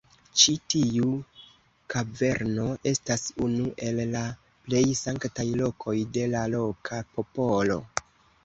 Ĉi tiu kaverno estas unu el la plej sanktaj lokoj de la loka popolo.